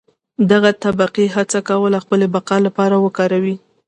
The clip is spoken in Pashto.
دغه طبقې هڅه کوله خپلې بقا لپاره وکاروي.